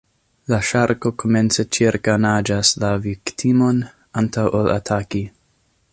La ŝarko komence ĉirkaŭnaĝas la viktimon, antaŭ ol ataki.